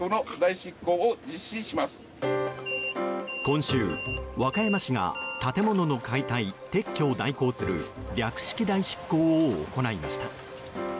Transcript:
今週、和歌山市が建物の解体・撤去を代行する略式代執行を行いました。